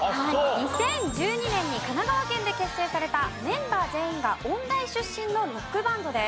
２０１２年に神奈川県で結成されたメンバー全員が音大出身のロックバンドです。